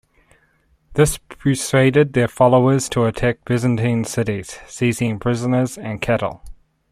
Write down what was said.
This persuaded their followers to attack Byzantine cities, seizing prisoners and cattle.